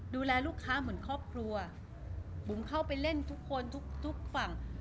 ดูแลลูกค้าเหมือนครอบครัวบุ๋มเข้าไปเล่นทุกคนทุกทุกฝั่ง